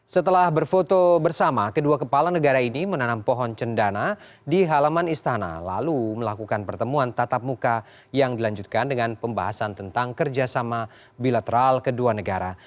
setelah berfoto bersama kedua kepala negara ini menanam pohon cendana di halaman istana lalu melakukan pertemuan tatap muka yang dilanjutkan dengan pembahasan tentang kerjasama bilateral kedua negara